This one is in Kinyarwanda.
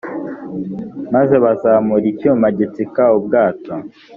maze bazamura icyuma gitsika ubwato